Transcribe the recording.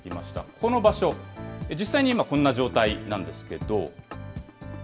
この場所、実際に今、こんな状態なんですけど。